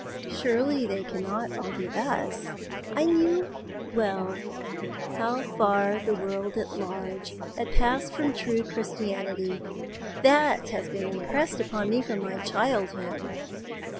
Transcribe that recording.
Surely they cannot all be thus? "I knew well how far the world at large had passed from true Christianity; that has been impressed upon me from my childhood.